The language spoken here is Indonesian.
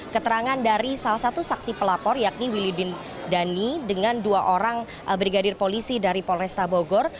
keterangan dari salah satu saksi pelapor yakni willidin dhani dengan dua orang brigadir polisi dari polresta bogor